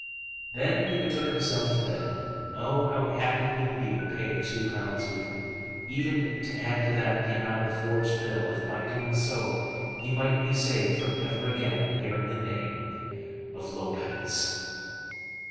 Then he betook himself to bed. Oh, how happy would he be to pay the two pounds weekly, even to add to that the amount of the forged bill, if by doing so he might be saved from ever again hearing the name of Lopez.